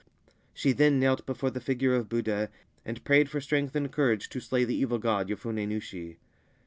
She then knelt before the figure of Buddha, and prayed for strength and courage to slay the evil god, Yofune Nushi.